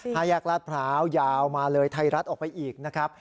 ห้าแยกลาดพร้าวยาวมาเลยไทยรัฐออกไปอีกนะครับ